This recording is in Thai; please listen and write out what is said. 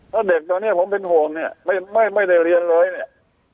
ถ้าเด็กตอนเนี้ยผมเป็นโหมเนี้ยไม่ไม่ได้เรียนเลยเนี้ย